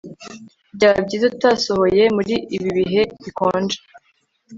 byaba byiza utasohoye muri ibi bihe bikonje